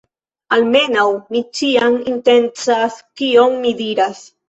Almenaŭ,... mi ĉiam intencas kion mi diras.